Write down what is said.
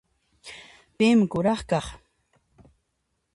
Pin kuraq kaq?